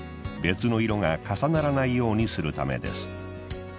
別の色が重ならないようにするためです。